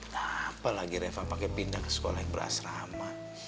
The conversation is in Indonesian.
kenapa lagi reva pake pindah ke sekolah yang berasrama